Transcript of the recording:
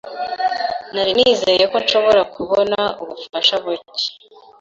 Nari nizeye ko nshobora kubona ubufasha buke.